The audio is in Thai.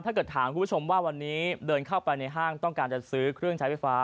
ถ้าเกิดถามคุณผู้ชมว่าวันนี้เดินเข้าไปในห้างต้องการจะซื้อเครื่องใช้ไฟฟ้า